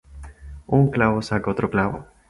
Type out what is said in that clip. Un clavo saca otro clavo